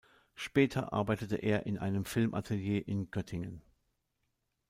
Später arbeitete er in einem Film-Atelier in Göttingen.